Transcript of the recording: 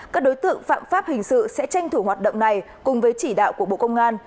các đối tượng phạm pháp hình sự sẽ tranh thủ hoạt động này cùng với chỉ đạo của bộ công an